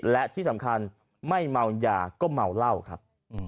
และที่สำคัญไม่เมายาก็เมาเหล้าครับ